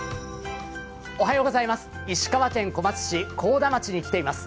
石川県小松市河田町に来ています。